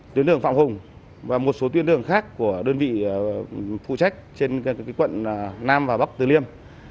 tuyến đường phạm hùng và một số tuyến đường khác của đơn vị phụ trách trên quận nam và bắc từ liêm